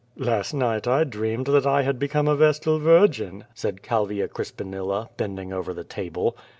"Last night I dreamed that I had become a vestal virgin," said Calvia Crispinilla, bending over the table.